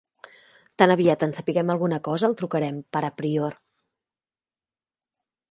Tan aviat en sapiguem alguna cosa el trucarem, pare prior.